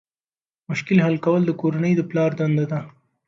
مشکل حل کول د کورنۍ د پلار دنده ده.